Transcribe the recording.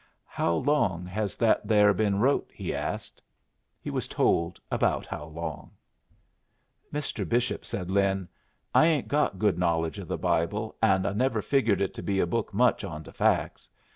"How long has that there been wrote?" he asked. He was told about how long. "Mr. Bishop," said Lin, "I ain't got good knowledge of the Bible, and I never figured it to be a book much on to facts.